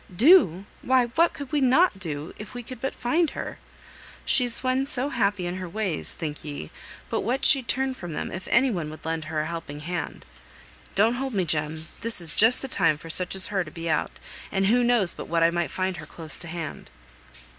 "Do! Why! what could we not do, if we could but find her? She's none so happy in her ways, think ye, but what she'd turn from them, if any one would lend her a helping hand. Don't hold me, Jem; this is just the time for such as her to be out, and who knows but what I might find her close at hand."